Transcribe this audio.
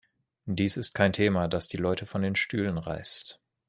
Dies ist kein Thema, das die Leute von den Stühlen reißt.